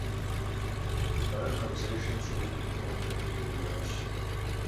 Ar makhzêşşem ş'ığuu pıçığuem xet khudêyue araş.